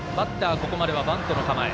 ここまではバントの構え。